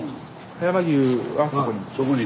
葉山牛はそこに。